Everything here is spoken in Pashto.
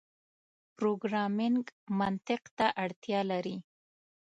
پروګرامنګ منطق ته اړتیا لري.